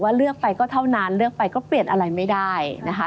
เลือกไปก็เท่านั้นเลือกไปก็เปลี่ยนอะไรไม่ได้นะคะ